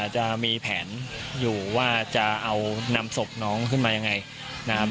จะมีแผนอยู่ว่าจะเอานำศพน้องขึ้นมายังไงนะครับ